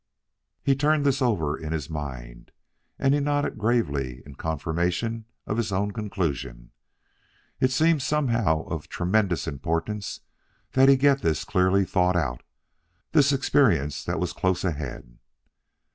He turned this over in his mind, and he nodded gravely in confirmation of his own conclusions. It seemed somehow of tremendous importance that he get this clearly thought out this experience that was close ahead.